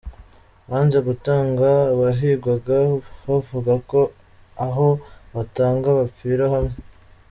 Banze gutanga abahigwaga bavuga ko aho kubatanga bapfira hamwe